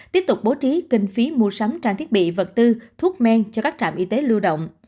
tiếp tục bố trí kinh phí mua sắm trang thiết bị vật tư thuốc men cho các trạm y tế lưu động